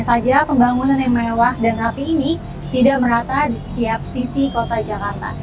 hanya saja pembangunan yang mewah dan rapi ini tidak merata di setiap sisi kota jakarta